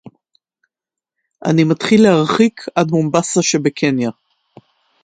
אני מתחיל להרחיק עד מומבסה שבקניה